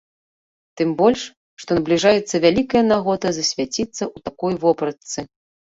Тым больш, што набліжаецца вялікая нагода засвяціцца ў такой вопратцы.